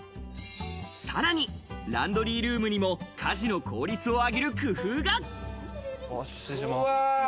さらにランドリールームにも家事の効率を上げる工夫が。